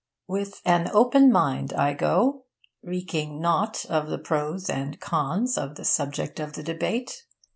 With an open mind I go, reeking naught of the pro's and con's of the subject of the debate.